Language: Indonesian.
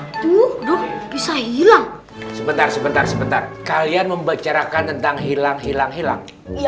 aduh bisa hilang sebentar sebentar kalian membicarakan tentang hilang hilang hilang